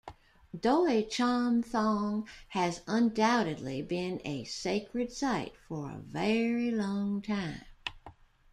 Doi Chom Thong has undoubtedly been a sacred site for a very long time.